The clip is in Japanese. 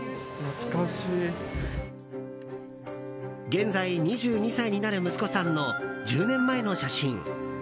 現在２２歳になる息子さんの１０年前の写真。